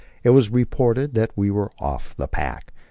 it was reported that we were off the pack.